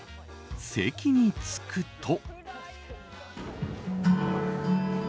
席に着くと。